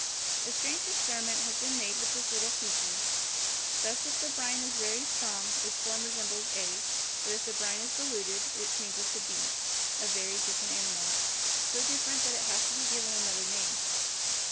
A strange experiment has been made with this little creature; thus if the brine is very strong its form resembles a, but if the brine is diluted, it changes to b, a very different animal, so different that it has been given another name.